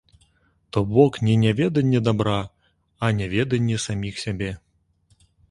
То бок не няведанне дабра, а няведанне саміх сябе.